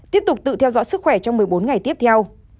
tiếp tục tự theo dõi sức khỏe trong một mươi bốn ngày tiếp theo